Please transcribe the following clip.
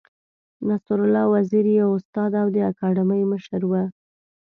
نصرالله وزیر یې استاد او د اکاډمۍ مشر و.